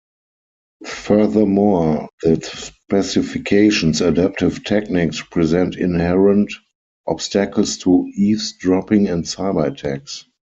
Furthermore, the specification's adaptive techniques present inherent obstacles to eavesdropping and cyber attacks.